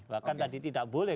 bahkan tadi tidak boleh